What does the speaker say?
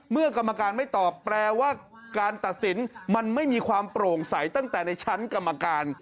กรรมการไม่ตอบแปลว่าการตัดสินมันไม่มีความโปร่งใสตั้งแต่ในชั้นกรรมการ